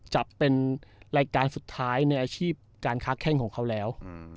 จะเป็นรายการสุดท้ายในอาชีพการค้าแข้งของเขาแล้ว